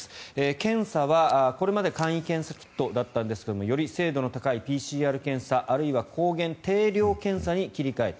検査は、これまで簡易検査キットだったんですがより精度の高いＰＣＲ検査あるいは抗原定量検査に切り替える。